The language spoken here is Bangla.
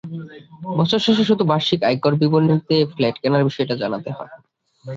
বছর শেষে শুধু বার্ষিক আয়কর বিবরণীতে ফ্ল্যাট কেনার বিষয়টি জানাতে হয়।